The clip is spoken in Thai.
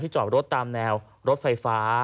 จอดรถตามแนวรถไฟฟ้า